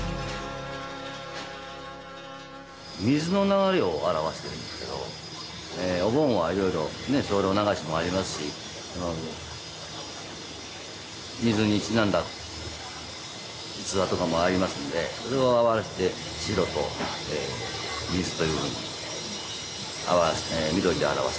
水の流れを表してるんですけどお盆はいろいろ精霊流しもありますし水にちなんだ逸話とかもありますんでそれを表して白と水というふうに緑で表しているんですね。